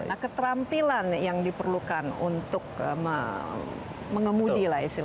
nah keterampilan yang diperlukan untuk mengemudi